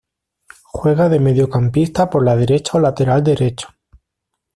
Juega de mediocampista por la derecha o lateral derecho.